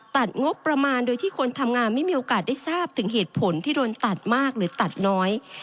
งบประมาณโดยที่คนทำงานไม่มีโอกาสได้ทราบถึงเหตุผลที่โดนตัดมากหรือตัดน้อย